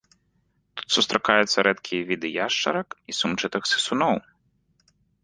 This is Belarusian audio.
Тут сустракаюцца рэдкія віды яшчарак і сумчатых сысуноў.